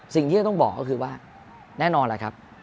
สิ่งที่จะต้องบอกก็คือว่าแน่นอนแหละครับ